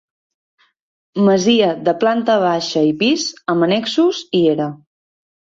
Masia de planta baixa i pis amb annexos i era.